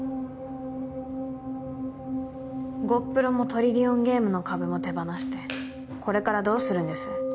ゴップロもトリリオンゲームの株も手放してこれからどうするんです？